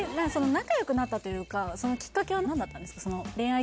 仲良くなったというかきっかけは何だったんですか？